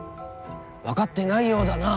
分かってないようだなあ。